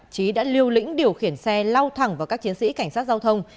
trí đã lưu lĩnh điều khiển xe lau thẳng vào các chiến sĩ cảnh sát giao thông